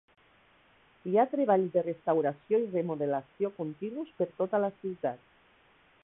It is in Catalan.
Hi ha treballs de restauració i remodelació continus per tota la ciutat.